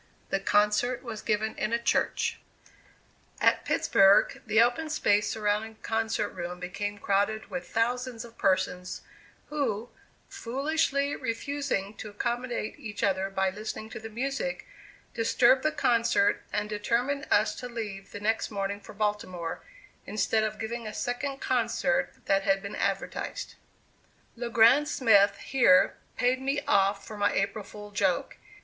The concert was given in a church. At Pittsburg, the open space surrounding the concert room became crowded with thousands of persons, who, foolishly refusing to accommodate each other by listening to the music, disturbed the concert and determined us to leave the next morning for Baltimore, instead of giving a second concert that had been advertised. Le Grand Smith here paid me off for my "April fool" joke.